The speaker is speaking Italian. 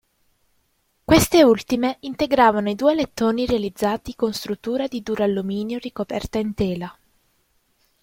Queste ultime integravano i due alettoni realizzati con struttura in duralluminio ricoperta in tela.